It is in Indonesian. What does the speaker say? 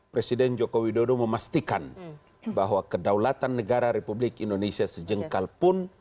presiden joko widodo memastikan bahwa kedaulatan negara republik indonesia sejengkal pun